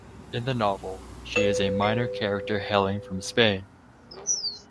In the novel, she is a minor character hailing from Spain.